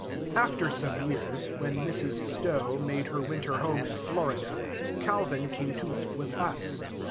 After some years, when Mrs. Stowe made her winter home in Florida, Calvin came to live with us.